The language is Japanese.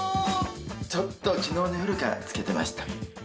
ちょっと、昨日の夜から漬けてました。